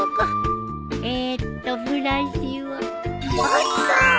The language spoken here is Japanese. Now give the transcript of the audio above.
えっとブラシはあった！